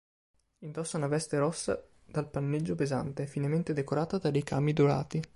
Indossa una veste rossa dal panneggio pesante, finemente decorata da ricami dorati.